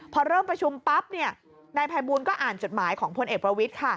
พอเริ่มประชุมปั๊บนายภัยบูลก็อ่านจดหมายของพลเอกประวิทย์